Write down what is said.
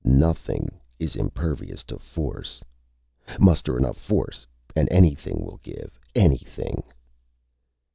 "Nothing is impervious to force. Muster enough force and anything will give. _Anything.